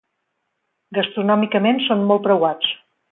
Gastronòmicament són molt preuats.